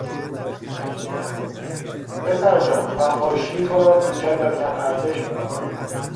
پسرجان فحاشی تو را کوچک و کم ارزش میکند!